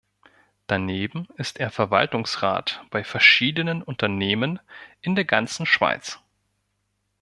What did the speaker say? Daneben ist er Verwaltungsrat bei verschiedenen Unternehmen in der ganzen Schweiz.